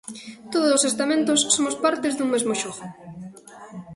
Todos os estamentos somos partes dun mesmo xogo.